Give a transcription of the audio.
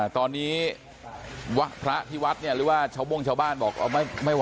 ตอนนี้พระที่วัดเนี่ยหรือว่าชาวโบ้งชาวบ้านบอกไม่ไหว